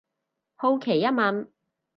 好奇一問